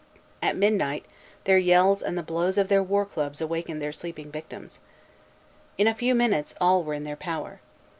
At midnight, their yells and the blows of their war clubs awakened their sleeping victims. In a few minutes all were in their power.